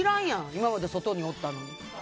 今まで外におったのに。